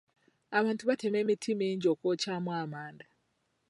Abantu batema emiti emingi okwokyamu amanda.